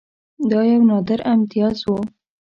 دا یو نادر امتیاز وو.